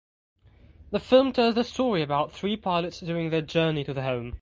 The film tells the story about three pilots during their journey to the home.